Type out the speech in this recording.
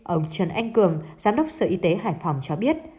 ông trần anh cường giám đốc sở y tế hải phòng cho biết